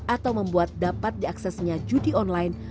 atau membuat dapat diaksesnya judi online